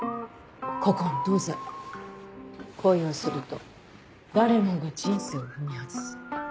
古今東西恋をすると誰もが人生を踏み外す。